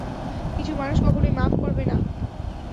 কিছু মানুষ কখনোই মাফ করবে না।